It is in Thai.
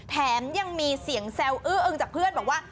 แถมยังมีเสียงแซวอื้ออึงจากเพื่อนบอกว่า